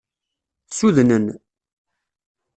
Ssudnen.